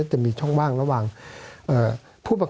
สวัสดีครับทุกคน